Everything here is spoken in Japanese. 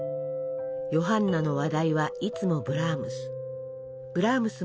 「ヨハンナの話題はいつもブラームス。